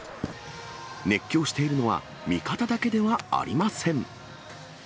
熱狂しているのは味方だけではありません。